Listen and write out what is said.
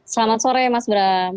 selamat sore mas bram